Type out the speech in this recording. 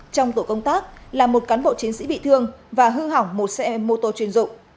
trong tổ công tác là một cán bộ chiến sĩ bị thương và hư hỏng một xe mô tô chuyên dụng